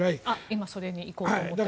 今、それに行こうと思っています。